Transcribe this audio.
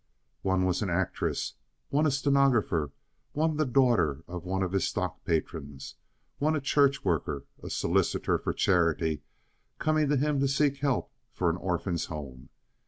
One was an actress, one a stenographer, one the daughter of one of his stock patrons, one a church worker, a solicitor for charity coming to him to seek help for an orphan's home.